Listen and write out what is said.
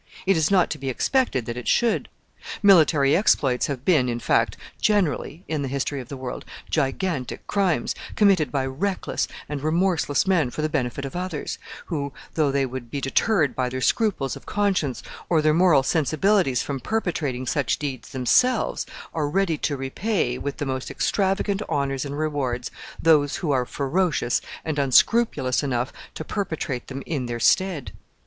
It is not to be expected that it should. Military exploits have been, in fact, generally, in the history of the world, gigantic crimes, committed by reckless and remorseless men for the benefit of others, who, though they would be deterred by their scruples of conscience or their moral sensibilities from perpetrating such deeds themselves, are ready to repay, with the most extravagant honors and rewards, those who are ferocious and unscrupulous enough to perpetrate them in their stead.